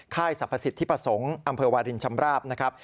ค่ายสรรพสิทธิประสงค์อำเภอวรินชำราบ